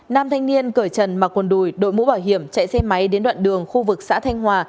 nam thanh niên cởi trần mặc quần đùi đội mũ bảo hiểm chạy xe máy đến đoạn đường khu vực xã thanh hòa